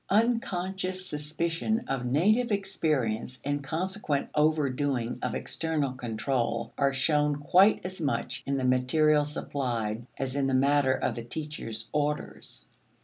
Unconscious suspicion of native experience and consequent overdoing of external control are shown quite as much in the material supplied as in the matter of the teacher's orders.